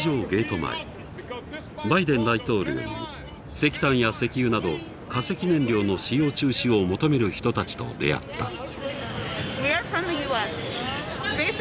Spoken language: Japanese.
ゲート前バイデン大統領に石炭や石油など化石燃料の使用中止を求める人たちと出会った。